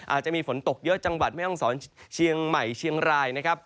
ในในเน้นคือพื้นที่ภาคเหนือ